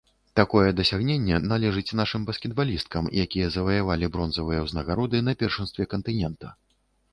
Такое дасягненне належыць нашым баскетбалісткам, якія заваявалі бронзавыя ўзнагароды на першынстве кантынента.